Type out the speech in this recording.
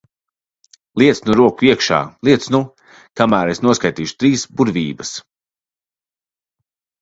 Liec nu roku iekšā, liec nu! Kamēr es noskaitīšu trīs burvības.